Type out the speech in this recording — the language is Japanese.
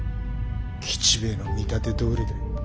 吉兵衛の見立てどおりだ。